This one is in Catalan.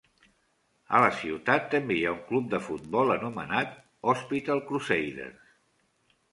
A la ciutat també hi ha un club de futbol anomenat Hospital Crusaders.